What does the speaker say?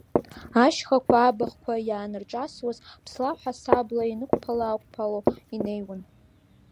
Ашьхақәа, абахәқәа ианырҿысуаз ԥслаҳә ҳасабла инықәԥала-аақәԥало инеиуан.